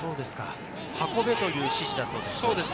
運べという指示だそうです。